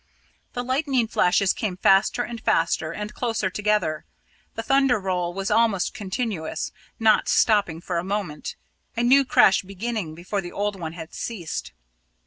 The lightning flashes came faster and faster and closer together; the thunder roll was almost continuous, not stopping for a moment a new crash beginning before the old one had ceased.